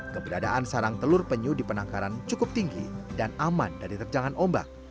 keberadaan sarang telur penyu di penangkaran cukup tinggi dan aman dari terjangan ombak